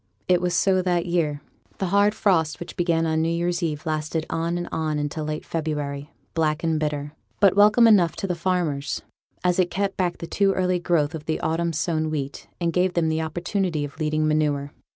It was so that year; the hard frost which began on new year's eve lasted on and on into late February, black and bitter, but welcome enough to the farmers, as it kept back the too early growth of autumn sown wheat, and gave them the opportunity of leading manure.